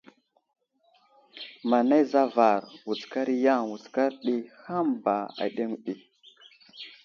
Manay zavar, wutskar i yam, wutskar ɗi, hàm ba aɗeŋw ɗi.